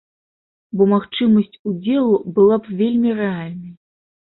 Бо магчымасць удзелу была б вельмі рэальнай.